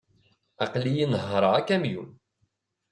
Aql-iyi nehhṛeɣ akamyun.